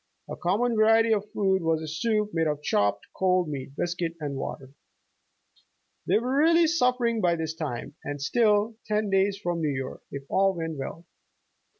A common variety of food was a soup made of chopped cold meat, biscuit and water. They were really suffering by this time, and still 30 John Helffrich's Journal ten days from New York if all went well.